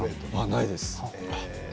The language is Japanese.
ないです。